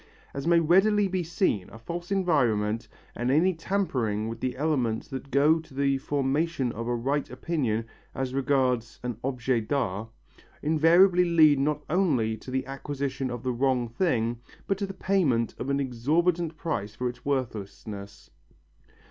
As may readily be seen, a false environment and any tampering with the elements that go to the formation of a right opinion as regards an objet d'art, invariably lead not only to the acquisition of the wrong thing but to the payment of an exorbitant price for its worthlessness.